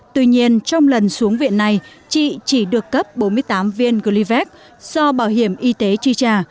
tuy nhiên trong lần xuống viện này chị chỉ được cấp bốn mươi tám viên glyvex do bảo hiểm y tế tri trà